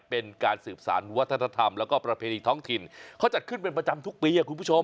เป็นการสืบสารวัฒนธรรมแล้วก็ประเพณีท้องถิ่นเขาจัดขึ้นเป็นประจำทุกปีอ่ะคุณผู้ชม